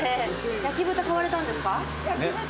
焼豚買われたんですか？